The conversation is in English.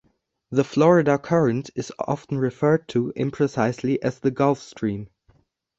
The Florida Current is often referred to imprecisely as the Gulf Stream.